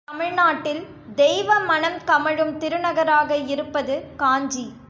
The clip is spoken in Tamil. தமிழ் நாட்டில் தெய்வ மணம் கமழும் திருநகராக இருப்பது காஞ்சி.